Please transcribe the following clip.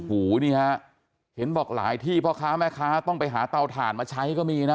หูนี่ฮะเห็นบอกหลายที่พ่อค้าแม่ค้าต้องไปหาเตาถ่านมาใช้ก็มีนะ